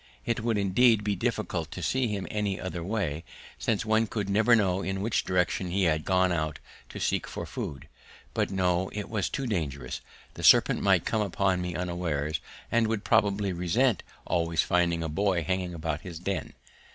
It would indeed be difficult to see him any other way, since one could never know in which direction he had gone out to seek for food. But no, it was too dangerous: the serpent might come upon me unawares and would probably resent always finding a boy hanging about his den.